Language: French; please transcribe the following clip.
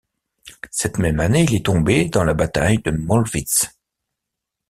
Cette même année, il est tombé dans la Bataille de Mollwitz.